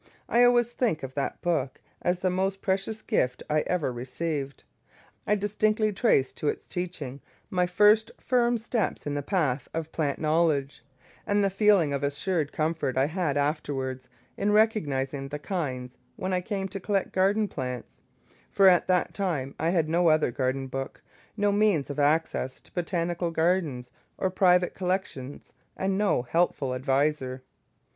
I always think of that book as the most precious gift I ever received. I distinctly trace to its teaching my first firm steps in the path of plant knowledge, and the feeling of assured comfort I had afterwards in recognising the kinds when I came to collect garden plants; for at that time I had no other garden book, no means of access to botanic gardens or private collections, and no helpful adviser.